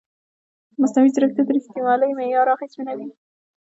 مصنوعي ځیرکتیا د ریښتینولۍ معیار اغېزمنوي.